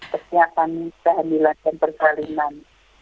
persiapan kehamilan dan persalinan